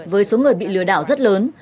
với số người bị lừa đảo rất lớn